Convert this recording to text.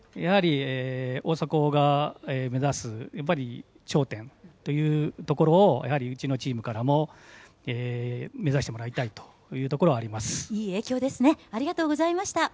大迫が目指す頂点というところをうちのチームからも目指してもらいたいというところはあります。